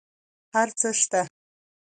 هر څه شته